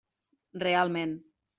Realment.